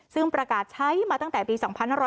ซึ่งประกาศใช้มาตั้งแต่ปี๒๕๖๐